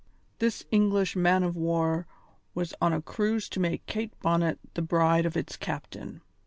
This English man of war was on a cruise to make Kate Bonnet the bride of its captain.